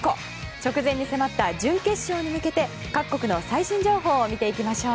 直前に迫った準決勝に向けて各国の最新情報を見ていきましょう。